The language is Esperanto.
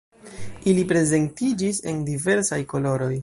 Ili prezentiĝis en diversaj koloroj.